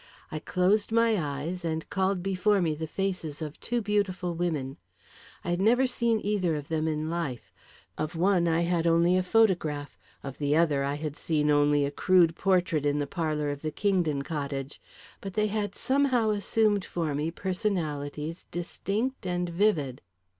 I closed my eyes and called before me the faces of two beautiful women. I had never seen either of them in the life of one, I had only a photograph; of the other I had seen only a crude portrait in the parlour of the Kingdon cottage but they had somehow assumed for me personalities distinct and vivid.